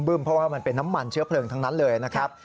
เพราะว่ามันเป็นน้ำมันเชื้อเพลิงทั้งนั้นเลยนะครับ